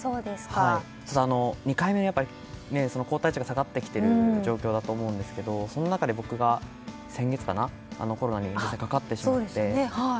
ただ、２回目の抗体値が下がってきている状況だと思うんですけどその中で、僕が先月コロナにかかってしまって。